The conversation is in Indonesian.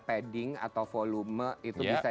padding atau volume itu bisa